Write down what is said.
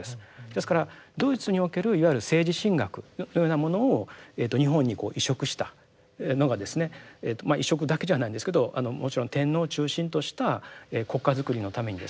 ですからドイツにおけるいわゆる政治神学というようなものを日本にこう移植したのがですねまあ移植だけじゃないんですけどもちろん天皇を中心とした国家づくりのためにですね